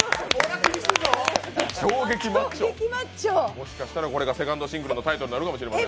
もしかしたら、これがセカンドシングルのタイトルになるのかもしれない。